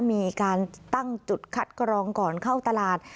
มีการตั้งจุดคัดกรองก่อนเข้าตลาด